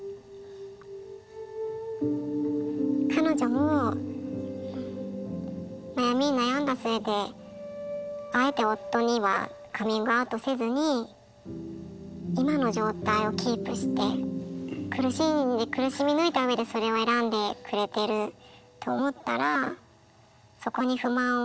彼女も悩みに悩んだ末であえて夫にはカミングアウトせずに今の状態をキープして苦しみに苦しみ抜いたうえでそれを選んでくれてると思ったらそこに不満を。